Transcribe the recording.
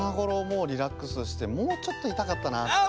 もうリラックスしてもうちょっといたかったなって。